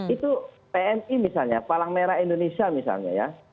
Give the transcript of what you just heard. itu pmi misalnya palang merah indonesia misalnya ya